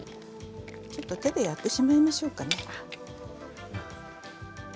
ちょっと手でやってしまいましょうかね。